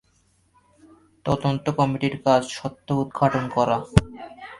তদন্ত কমিটির কাজ সত্য উদ্ঘাটন করা।